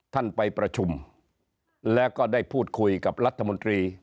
ท่านไปประชุมแล้วก็ได้พูดคุยกับรัฐมนตรี